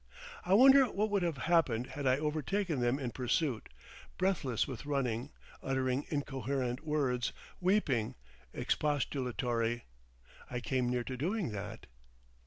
I wonder what would have happened had I overtaken them in pursuit, breathless with running, uttering incoherent words, weeping, expostulatory. I came near to doing that.